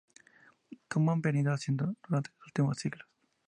Como han venido haciendo durante los últimos siglos.